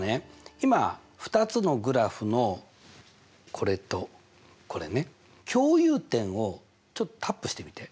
今２つのグラフのこれとこれね共有点をちょっとタップしてみて。